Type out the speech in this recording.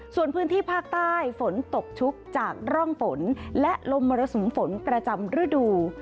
ส่วนพื้นที่ภาคใต้ฝนตกชุกจากร่องฝนและลมมรสุมฝนประจำฤดู